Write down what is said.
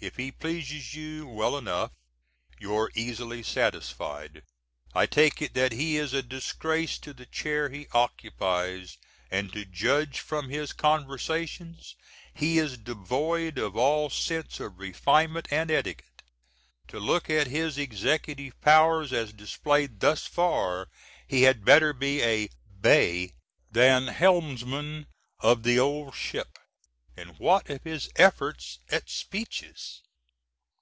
If he pleases you, well enough, you're easily satisfied. I take it that he is a disgrace to the Chair he occupies; and to judge from his conversations, he is devoid of all sense of refinement & etiquette; to look at his executive powers as displayed thus far, he had better be a Bey than helmsman of the "Old Ship"; and what of his efforts at speeches?